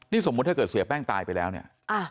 นี่สมมุติถ้าเกิดเสียแป้งตายไปแล้วเนี่ย